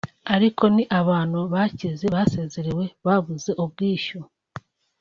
ariko ni abantu bakize basezerewe babuze ubwishyu